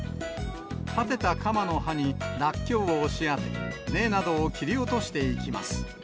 立てた鎌の刃にラッキョウを押し当て、根などを切り落としていきます。